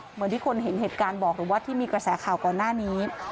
เหมือนที่คนเห็นเหตุการณ์บอกหรือว่าที่มีกระแสข่าวก่อนหน้านี้